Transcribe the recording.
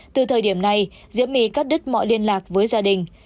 từ thời điểm này diễm my cắt đứt mọi liên lạc với gia đình